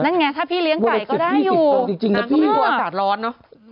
นั่นไงถ้าพี่เลี้ยงไก่ก็ได้อยู่นางสักร้อนหรอ